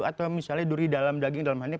atau misalnya duri dalam daging dalam hal ini